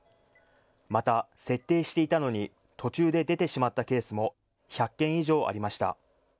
また、設定していたのに途中で出てしまったケースも１００件以上ありました。